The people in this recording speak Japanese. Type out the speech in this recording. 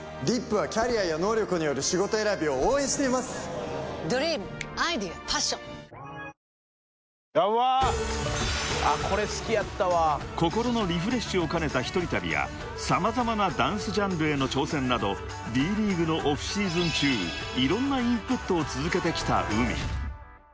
それではＶＴＲＨｅｒｅｗｅｇｏ．［心のリフレッシュを兼ねた一人旅や様々なダンスジャンルへの挑戦などＤ．ＬＥＡＧＵＥのオフシーズン中いろんなインプットを続けてきたＵＭＩ］